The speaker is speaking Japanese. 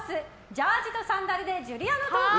ジャージーとサンダルでジュリアナ東京！